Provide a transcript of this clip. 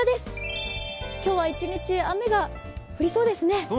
今日は一日雨が降りそうですね。